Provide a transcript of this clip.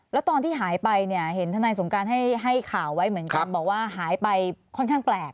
แล้วตอนที่หายไปเนี่ย